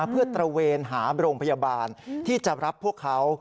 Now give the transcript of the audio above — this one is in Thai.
เพื่อตระเวนหาโรงพยาบาลที่จะรับพวกเขา